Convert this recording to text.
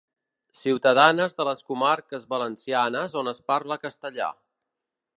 Ciutadanes de les comarques valencianes on es parla castellà.